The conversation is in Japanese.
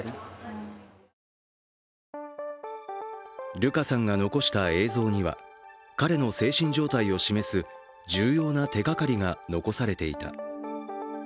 ルカさんが残した映像には彼の精神状態を示す重要な手がかりが残されていた。